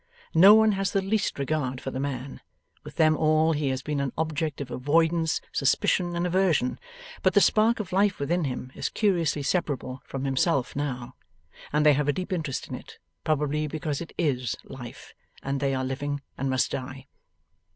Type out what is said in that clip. No one has the least regard for the man; with them all, he has been an object of avoidance, suspicion, and aversion; but the spark of life within him is curiously separable from himself now, and they have a deep interest in it, probably because it IS life, and they are living and must die.